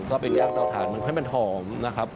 ก็เป็นย่างเตาถ่านให้มันหอมนะครับ